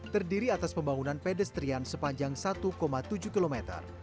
terdiri atas pembangunan pedestrian sepanjang satu tujuh km